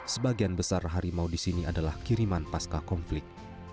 sebagian besar harimau di sini adalah kiriman pasca konflik